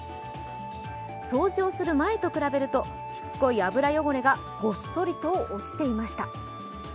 掃除をする前と比べると、しつこい油汚れがごっそりと落ちていました。